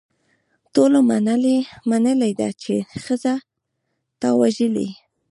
ټولو منلې ده چې ښځه تا وژلې.